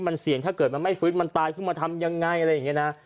มันเสี่ยงถ้าเกิดมันไม่ฟื้นมันตายขึ้นมาทำยังไงอะไรอย่างนี้นะ